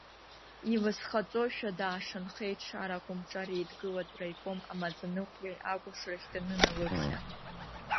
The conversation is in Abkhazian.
Илызхамҵошәа даашанхеит Шара, акомҿареидгылатә раиком амаӡаныҟәгаҩ акәашарахь даныналыԥхьа.